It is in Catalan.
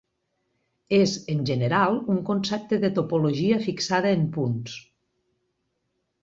És, en general, un concepte de topologia fixada en punts.